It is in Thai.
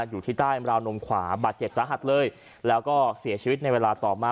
อยู่ที่ใต้ราวนมขวาบาดเจ็บสาหัสเลยแล้วก็เสียชีวิตในเวลาต่อมา